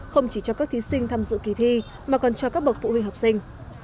không chỉ cho các thí sinh tham dự kỳ thi mà còn cho các bậc phụ huynh học sinh